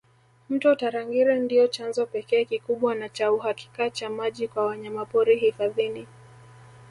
Mto Tarangire ndio chanzo pekee kikubwa na cha uhakika cha maji kwa wanyamapori hifadhini